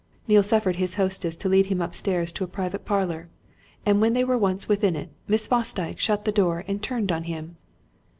Neale suffered his hostess to lead him upstairs to a private parlour. And when they were once within it, Miss Fosdyke shut the door and turned on him.